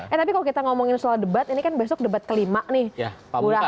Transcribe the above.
eh tapi kalau kita ngomongin soal debat ini kan besok debat kelima nih